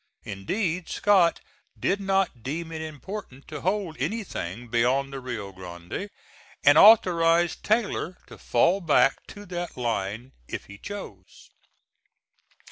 Indeed Scott did not deem it important to hold anything beyond the Rio Grande, and authorized Taylor to fall back to that line if he chose.